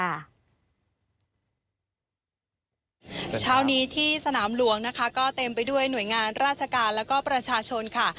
ชาวนี้ที่สนามหลวงนะคะก็เต็มมาทั้งหน่วยงานราชกาแนะจรัสและพระชชนค่ะ